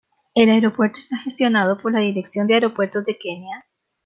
El aeropuerto está gestionado por la Dirección de Aeropuertos de Kenia.